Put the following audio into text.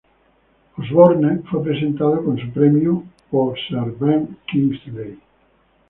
Osbourne fue presentado con su premio por Sir Ben Kingsley.